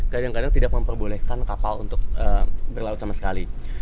kadang kadang tidak memperbolehkan kapal untuk berlaut sama sekali